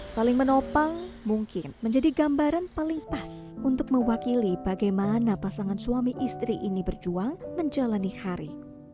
saling menopang mungkin menjadi gambaran paling pas untuk mewakili bagaimana pasangan suami istri ini berjuang menjalani hari